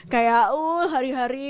kayak uh hari hari